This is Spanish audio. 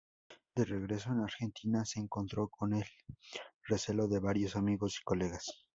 De regreso en Argentina, se encontró con el recelo de varios amigos y colegas.